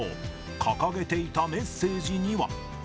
掲げていたメッセージには。